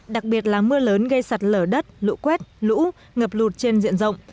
đặc biệt là mưa lớn gây sạt lờ đất lũ quét lũ ngập lụt trên diện rộng